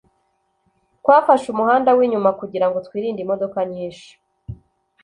twafashe umuhanda winyuma kugirango twirinde imodoka nyinshi